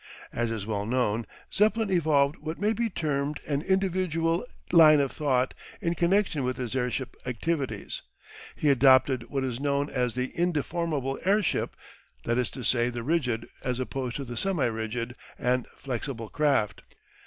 As is well known Zeppelin evolved what may be termed an individual line of thought in connection with his airship activities. He adopted what is known as the indeformable airship: that is to say the rigid, as opposed to the semi rigid and flexible craft.